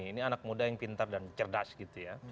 ini anak muda yang pintar dan cerdas gitu ya